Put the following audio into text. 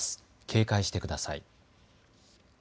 警戒してください。